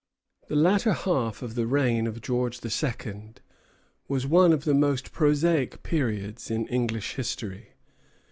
The latter half of the reign of George II. was one of the most prosaic periods in English history.